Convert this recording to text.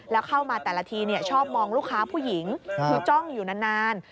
แล้วเข้ามาแต่ละทีชอบมองลูกค้าผู้หญิงคือจ้องอยู่นาน